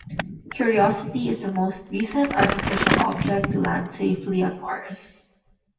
"Curiosity" is the most recent artificial object to land safely on Mars.